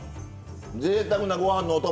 ぜいたくなご飯のお供。